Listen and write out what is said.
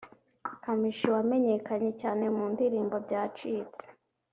Kamichi wamenyekanye cyane mu ndirimbo Byacitse